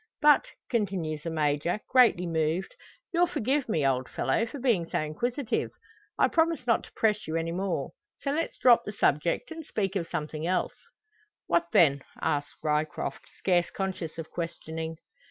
"But," continues the Major, greatly moved, "you'll forgive me, old fellow, for being so inquisitive? I promise not to press you any more. So let's drop the subject, and speak of something else." "What then?" asks Ryecroft, scarce conscious of questioning.